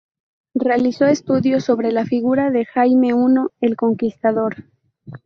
Realizó estudios sobre la figura de Jaime I el Conquistador.